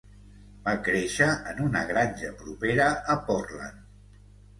Va créixer en una granja propera a Portland.